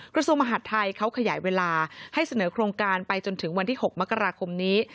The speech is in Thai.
กระทรวงมหาดไทยเขาขยายเวลาให้เสนอโครงการไปจนถึงวันที่๖มกราคมนี้